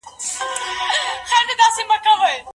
هغه مطالعه چې علمي وي ارزښت لري.